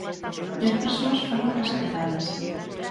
Dez persoas foron rescatadas.